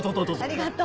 ありがとう。